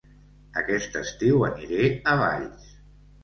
Aquest estiu aniré a Valls